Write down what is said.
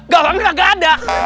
ga banget ga ada